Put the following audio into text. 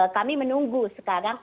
kami menunggu sekarang